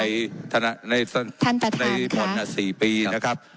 ในท่าในท่านประทานครับในบอร์นอันสี่ปีนะครับ